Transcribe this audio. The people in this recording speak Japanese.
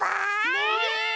ねえ！